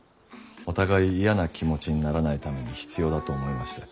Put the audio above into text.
お互い嫌な気持ちにならないために必要だと思いまして。